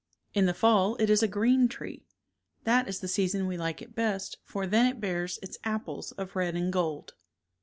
In the fall it is a green tree. That is the season we like it best for then it bears its apples of red and gold.